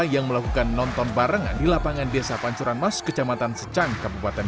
yang melakukan nonton barengan di lapangan desa pancoran mas kecamatan secan kabupaten